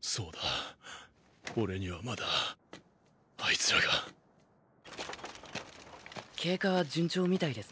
そうだ俺にはまだあいつらが。経過は順調みたいですね。